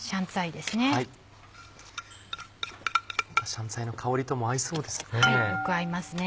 香菜の香りとも合いそうですね。